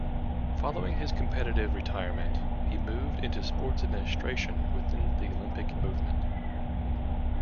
Following his competitive retirement, he moved into sports administration within the Olympic movement.